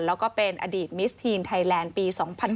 แล้วก็เป็นอดีตมิสทีนไทยแลนด์ปี๒๐๑๖